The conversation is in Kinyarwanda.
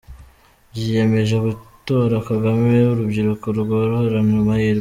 Biyemeje gutora Kagame urubyiruko rugahorana amahirwe.